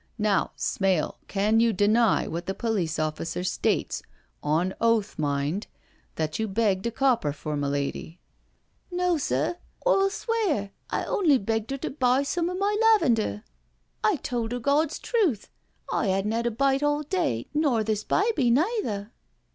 Now, Smale, can you deny what the police officer states, on oath mind, that you begged a copper from a lady?" "No, sir; I'll swear I on'y begged *er to buy some o' my lavender. I tawld 'er Gawd's truth, I 'adn't 'ad a bite all day, nor this biby neither."